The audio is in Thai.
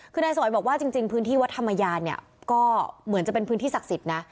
คือนายสวัยบอกว่าจริงพื้นที่วัดธรรมยานเนี่ยก็เหมือนจะเป็นพื้นที่ศักดิ์สิทธิ์นะ